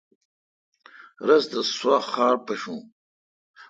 رس تہ سوا خار پیشو ۔